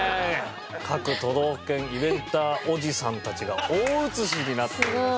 各都道府県イベンターおじさんたちが大映しになっております。